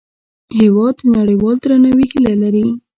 هېواد د نړیوال درناوي هیله لري.